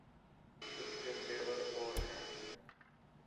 اس کے تیور اور ہیں۔